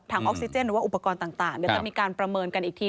ออกซิเจนหรือว่าอุปกรณ์ต่างเดี๋ยวจะมีการประเมินกันอีกที